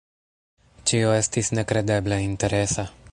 Ĉio estis nekredeble interesa.